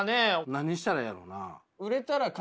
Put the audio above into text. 何したらええんやろな？